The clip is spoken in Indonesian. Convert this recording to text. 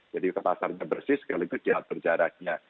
jadi pasarnya bersih sekaligus jalan berjaraknya